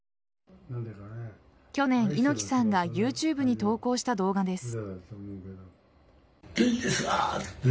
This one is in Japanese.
去年、猪木さんがＹｏｕＴｕｂｅに投稿した動画です。